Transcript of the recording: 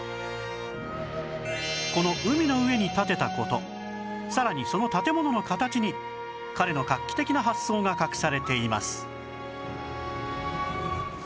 この海の上に建てた事さらにその建物の形に彼の画期的な発想が隠されています